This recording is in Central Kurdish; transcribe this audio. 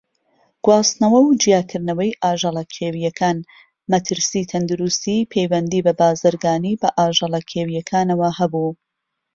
گواستنەوە و جیاکردنەوەی ئاژەڵە کێویەکان - مەترسی تەندروستی پەیوەندی بە بازرگانی بە ئاژەڵە کێویەکانەوە هەبوو.